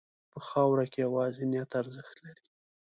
په خاوره کې یوازې نیت ارزښت لري.